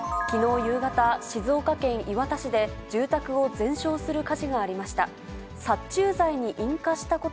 きのう夕方、静岡県磐田市で、住宅を全焼する火事がありました。